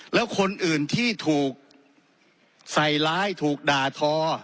แล้วคนอื่นที่ถูกใส่ร้ายถูกด่าทอ